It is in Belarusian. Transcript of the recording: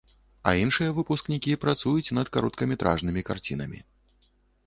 А іншыя выпускнікі працуюць над кароткаметражнымі карцінамі.